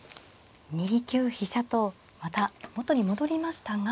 ２九飛車とまた元に戻りましたが。